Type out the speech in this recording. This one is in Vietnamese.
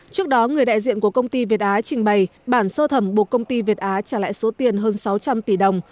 trước đó người đại diện của công ty việt á trình bày bản sơ thẩm buộc công ty việt á trả lại số tiền hơn sáu trăm linh tỷ đồng